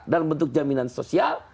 dalam bentuk jaminan sosial